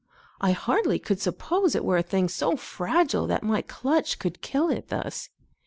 I hardly could suppose It were a thing so fragile that my clutch Could kill it, thus.